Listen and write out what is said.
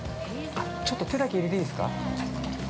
◆ちょっと手だけ入れていいですか。